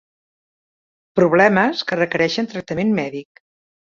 Problemes que requereixen tractament mèdic.